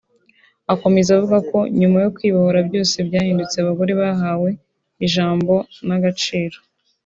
Akomeza avuga ko nyuma yo kwibohora byose byahindutse abagore bahawe ijambo n’agaciro